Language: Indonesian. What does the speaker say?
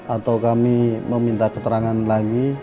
atau kami meminta keterangan lagi